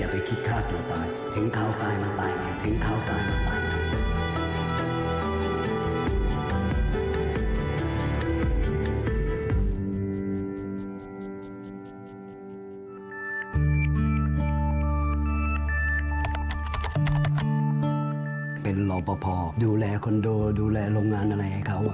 เป็นรอปภดูแลคอนโดดูแลโรงงานอะไรให้เขา